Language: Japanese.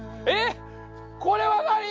えっこれは何！？